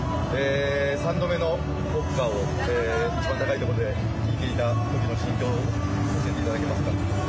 ３度目の国歌を一番高いところで聴いた時の心境を教えていただけますか？